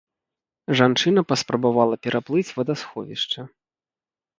Жанчына паспрабавала пераплыць вадасховішча.